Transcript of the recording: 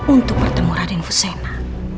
untuk bertemu raden fusena